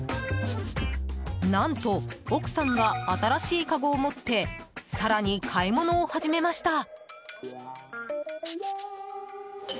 何と、奥さんが新しいかごを持って更に買い物を始めました。